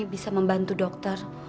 bisa membantu dokter